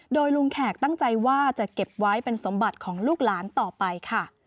โดยลุงแขกตั้งใจว่าจะเก็บไว้เป็นสมบัติของลูกหลานต่อไปค่ะ